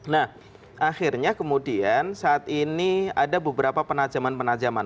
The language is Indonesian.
nah akhirnya kemudian saat ini ada beberapa penajaman penajaman